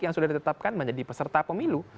yang sudah ditetapkan menjadi peserta pemilu